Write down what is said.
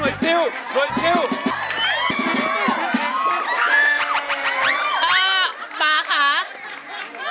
เนโหหน่วยซิลหน่วยซิล